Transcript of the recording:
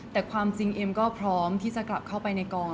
แต่ความจริงเอ็มก็พร้อมที่จะกลับเข้าไปในกอง